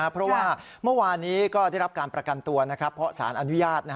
เพราะว่าเมื่อวานนี้ก็ได้รับการประกันตัวเพราะสารอนุญาต